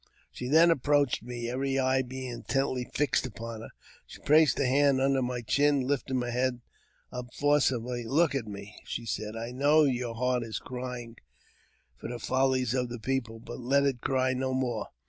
She then approached me, every eye being intently fixed upon her. She placed her hand under my chin, and lifted my head forcibly up. "Look at me," she said; "I know that your heart is crying for th3 follies of the peojle. But let it cry no more.